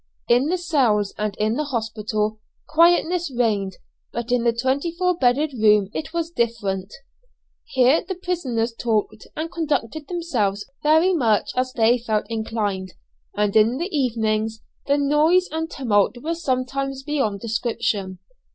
In the cells and in the hospital, quietness reigned, but in the twenty four bedded room it was different. Here the prisoners talked and conducted themselves very much as they felt inclined, and in the evenings the noise and tumult was sometimes beyond description.